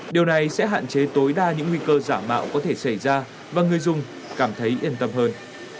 điều này sẽ hạn chế tối đa những nguy cơ giả mạo có thể xảy ra và người dùng cảm thấy yên tâm hơn